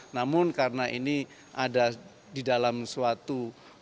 namun karena ini ada di dalam suatu